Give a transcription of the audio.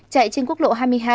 chạy trên quốc lộ hai mươi hai